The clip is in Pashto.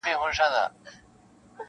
د خوشحال پر لار چي نه درومي پښتونه-